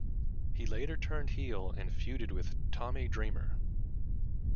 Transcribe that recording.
He later turned heel and feuded with Tommy Dreamer.